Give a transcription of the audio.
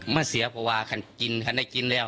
เสียเพราะว่าคันกินคันได้กินแล้ว